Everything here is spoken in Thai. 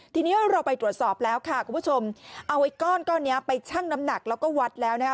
ทีนี้เราไปตรวจสอบแล้วค่ะคุณผู้ชมเอาไอ้ก้อนก้อนนี้ไปชั่งน้ำหนักแล้วก็วัดแล้วนะคะ